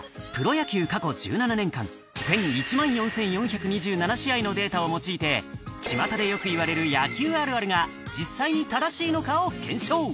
今回はプロ野球過去１７年間、全１万４４２７試合のデータを用いて、ちまたでよく言われる野球あるあるが実際正しいのかを検証。